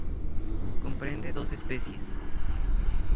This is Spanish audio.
Comprende doce especies.